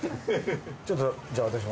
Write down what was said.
ちょっとじゃあ私も。